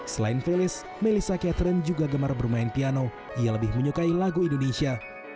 selain felis melissa catherine juga gemar bermain piano ia lebih menyukai lagu indonesia